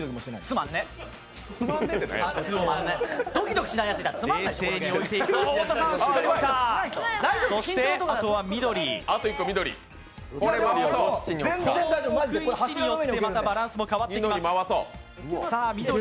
載せる場所によってまたバランスも変わってきます。